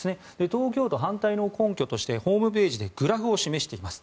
東京都、反対の根拠としてホームページでグラフを示しています。